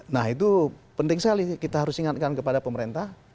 nah itu penting sekali kita harus ingatkan kepada pemerintah